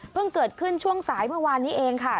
เกิดขึ้นช่วงสายเมื่อวานนี้เองค่ะ